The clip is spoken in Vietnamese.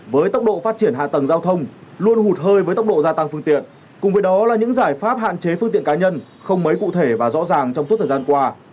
với tốc độ phát triển hạ tầng giao thông luôn hụt hơi với tốc độ gia tăng phương tiện cùng với đó là những giải pháp hạn chế phương tiện cá nhân không mấy cụ thể và rõ ràng trong suốt thời gian qua